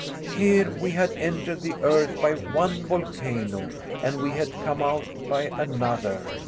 Here we had entered the earth by one volcano, and we had come out by another.